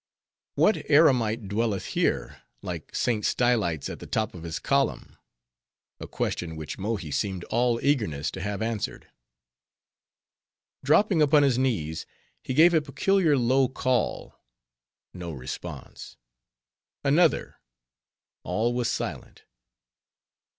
What eremite dwelleth here, like St. Stylites at the top of his column?—a question which Mohi seemed all eagerness to have answered. Dropping upon his knees, he gave a peculiar low call: no response. Another: all was silent.